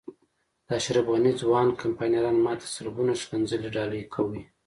د اشرف غني ځوان کمپاینران ما ته سلګونه ښکنځلې ډالۍ کوي.